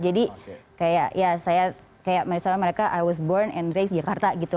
jadi kayak misalnya mereka i was born and raised jakarta gitu